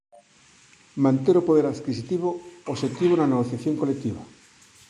Mante-lo poder adquisitivo, obxectivo na negociación colectiva.